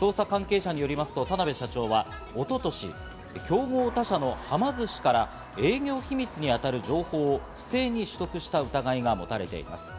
捜査関係者によりますと、田辺社長は一昨年、競合他社のはま寿司から営業秘密に当たる情報を不正に取得した疑いが持たれています。